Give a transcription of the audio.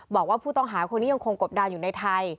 บอกว่าผู้ต้องหาคนนี้ยังคงกบดานอยู่ในไทย